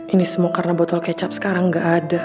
ini semua karena botol kecap sekarang gak ada